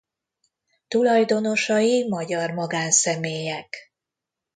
Tulajdonosai magyar magánszemélyek.